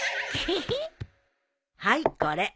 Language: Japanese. はいこれ。